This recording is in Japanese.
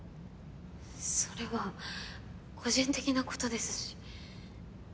それは個人的なことですし。